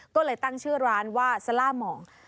ก็เลยตั้งชื่อร้านว่าซาล่าหมอง